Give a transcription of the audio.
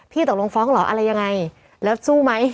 ตกลงฟ้องเหรออะไรยังไงแล้วสู้ไหม